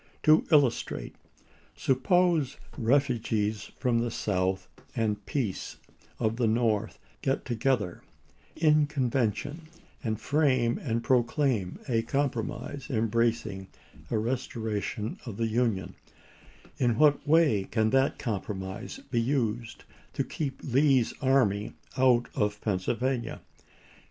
To illustrate: Suppose refugees from the South and peace men of the North get together in Convention and frame and proclaim a compromise embracing a restora tion of the Union, in what way can that compromise be used to keep Lee's army out of Pennsylvania